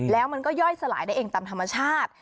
แล้วมันก็ย่อยสลายได้เองตามธรรมชาติ